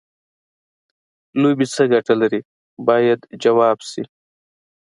لوبې څه ګټه لري باید ځواب شي.